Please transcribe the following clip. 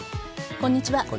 こんにちは。